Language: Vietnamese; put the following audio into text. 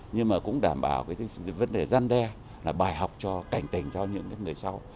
nhưng cũng đảm bảo vấn đề răn đe bài học cho cảnh tình cho những người sau